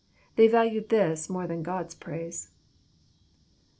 They valued this more than God's praise."